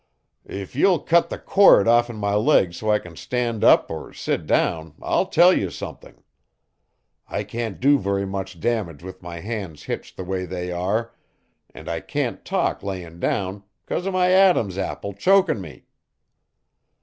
If you'll cut the cord off'n my legs so I can stand up or sit down I'll tell you something. I can't do very much damage with my hands hitched the way they are, and I can't talk layin' down cause of my Adam's apple chokin' me."